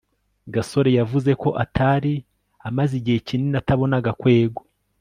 gasore yavuze ko atari amaze igihe kinini atabona gakwego